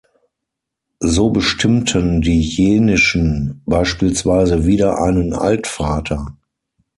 So bestimmten die Jenischen beispielsweise wieder einen Altvater.